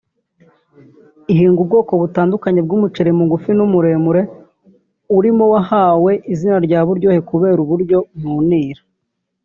Ihinga ubwoko butandukanye bw’umuceri mugufi n’umuremure urimo wahawe izina rya ‘Buryohe’ kubera uburyo unurira